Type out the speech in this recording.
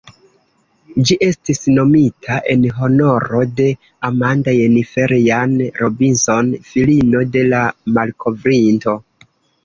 Ĝi estis nomita en honoro de "Amanda Jennifer Jane Robinson", filino de la malkovrinto.